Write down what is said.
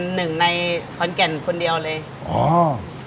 หนึ่งในขอนแก่นคนเดียวเลยอ๋อ